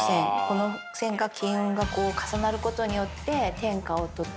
この線が金運がこう重なることによって。